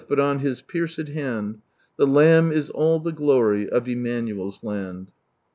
But on His f>ieicM hand. The Lamb is all ihe glMy Of EmDianucl's land."